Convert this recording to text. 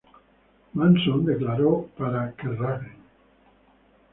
Manson declaro para Kerrang!